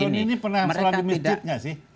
mas rony ini pernah selalu di masjidnya sih